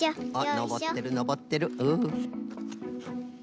あっのぼってるのぼってる。